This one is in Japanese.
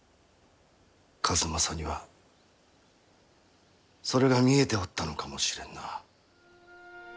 数正にはそれが見えておったのかもしれんな。